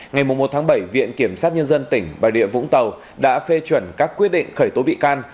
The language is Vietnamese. ngày một tháng bảy viện kiểm sát nhân dân tỉnh bà địa vũng tàu đã phê chuẩn các quyết định khởi tố bị can